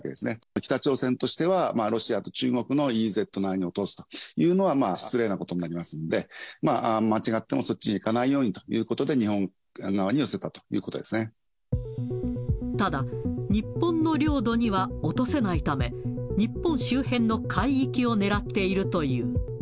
北朝鮮としては、ロシアと中国のＥＥＺ内に落とすというのは、失礼なことになりますんで、間違っても、そっちに行かないようにということで、日本側に寄せただ、日本の領土には落とせないため、日本周辺の海域を狙っているという。